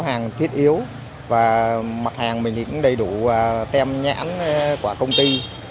mặt hàng thiết yếu và mặt hàng mình cũng đầy đủ tem nhãn quả công ty